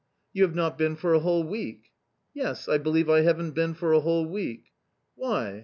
" You have not been for a whole week ?"" Yes, I believe I haven't been for a whole week ?"" Why